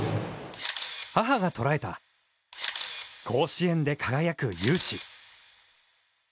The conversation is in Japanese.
母が捉えた、甲子園で輝く雄姿。